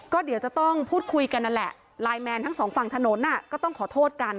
ก็เดี๋ยวจะต้องพูดคุยกันนั่นแหละไลน์แมนทั้งสองฝั่งถนนก็ต้องขอโทษกัน